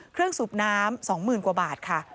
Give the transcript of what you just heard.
เครื่องสูบน้ำ๒หมื่นกว่าบาทค่ะ